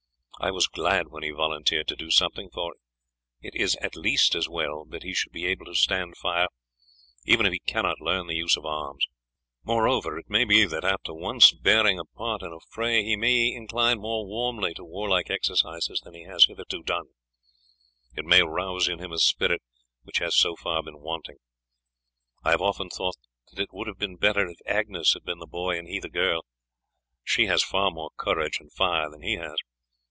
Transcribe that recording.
I was glad when he volunteered to do something, for it is at least as well that he should be able to stand fire even if he cannot learn the use of arms; moreover, it may be that after once bearing a part in a fray he may incline more warmly to warlike exercises than he has hitherto done; it may rouse in him a spirit which has so far been wanting. I have often thought that it would have been better if Agnes had been the boy and he the girl; she has far more courage and fire than he has.